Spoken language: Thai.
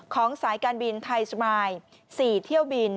สายการบินไทยสมาย๔เที่ยวบิน